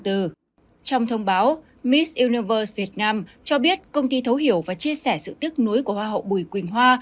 trong thông báo miss universe việt nam cho biết công ty thấu hiểu và chia sẻ sự tức nối của hoa hậu bùi quỳnh hoa